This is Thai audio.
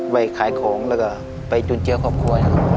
ไว้ขายของแล้วก็ไปจุดเจื้อครอบครัว